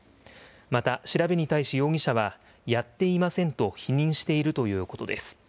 また、調べに対し容疑者は、やっていませんと否認しているということです。